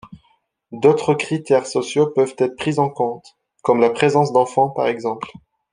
D'autres critères sociaux peuvent être pris en compte, comme la présence d'enfants par exemple.